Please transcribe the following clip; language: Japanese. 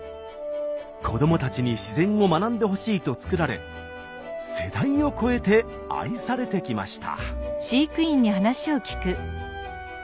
子どもたちに自然を学んでほしいと作られ世代を超えて愛されてきました。